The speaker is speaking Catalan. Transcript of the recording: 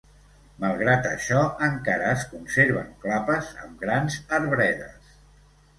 Malgrat això encara es conserven clapes amb grans arbredes.